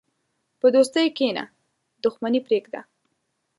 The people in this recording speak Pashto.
په دوستۍ کښېنه، دښمني پرېږده.